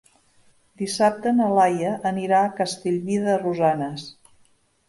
Dissabte na Laia anirà a Castellví de Rosanes.